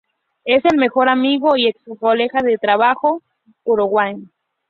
Es el mejor amigo y ex-colega de trabajo de Kurokawa.